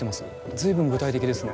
随分具体的ですね。